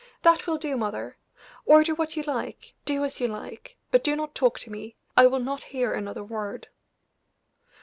"That will do, mother! Order what you like, do as you like, but do not talk to me; I will not hear another word."